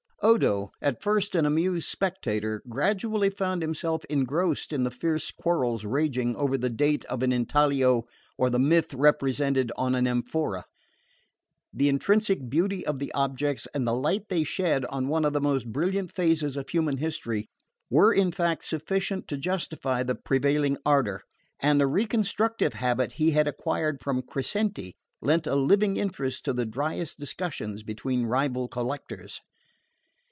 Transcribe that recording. Odo, at first an amused spectator, gradually found himself engrossed in the fierce quarrels raging over the date of an intaglio or the myth represented on an amphora. The intrinsic beauty of the objects, and the light they shed on one of the most brilliant phases of human history, were in fact sufficient to justify the prevailing ardour; and the reconstructive habit he had acquired from Crescenti lent a living interest to the driest discussion between rival collectors.